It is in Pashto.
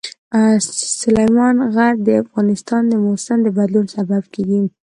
سلیمان غر د افغانستان د موسم د بدلون سبب کېږي.